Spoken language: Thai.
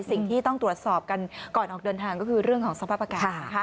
สิ่งที่ต้องตรวจสอบกันก่อนออกเดินทางก็คือเรื่องของสภาพอากาศ